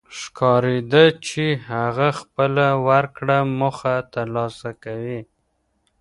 ښکارېده چې هغه خپله ورکړه موخه تر لاسه کوي.